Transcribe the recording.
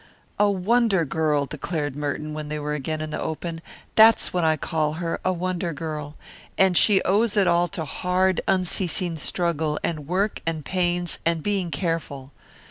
"A wonder girl," declared Merton when they were again in the open. "That's what I call her a wonder girl. And she owes it all to hard, unceasing struggle and work and pains and being careful.